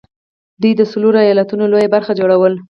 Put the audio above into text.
دوی د څلورو ايالتونو لويه برخه جوړوله